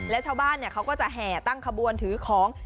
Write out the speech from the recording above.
และชาวบ้านเขาก็จะแห่ตั้งขบวนถือของ